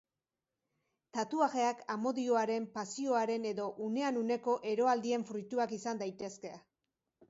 Tatuajeak amodioaren, pasioaren edo unean uneko eroaldien fruituak izan daitezke.